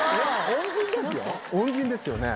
恩人ですよね。